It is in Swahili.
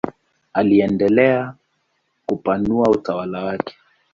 Aliendelea kupanua utawala wake.